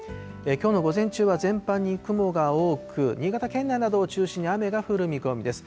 きょうの午前中は全般に雲が多く、新潟県内などを中心に雨が降る見込みです。